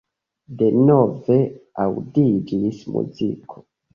Denove aŭdiĝis muziko.